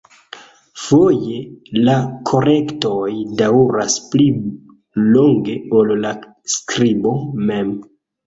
Foje la korektoj daŭras pli longe ol la skribo mem.